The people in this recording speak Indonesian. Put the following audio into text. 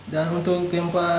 dan untuk gempa mikrotremor